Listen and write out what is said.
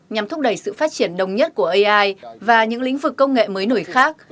nhằm thúc đẩy sự phát triển đồng nhất của ai và những lĩnh vực công nghệ mới nổi khác